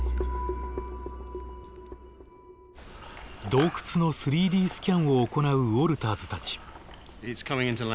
洞窟の３Ｄスキャンを行うウォルターズたち。